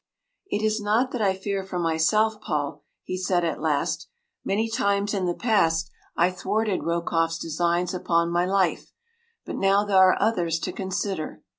“It is not that I fear for myself, Paul,” he said at last. “Many times in the past have I thwarted Rokoff’s designs upon my life; but now there are others to consider.